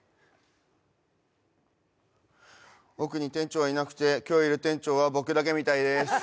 奥に店長はいなくて、今日いる店長は僕だけみたいです。